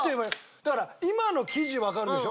だから今の生地わかるでしょ？